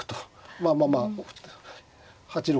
まあまあまあ８六